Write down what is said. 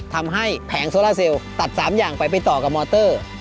ทำให้แผงโซล่าเซลล์ตัด๓อย่างไปต่อกับมอเตอร์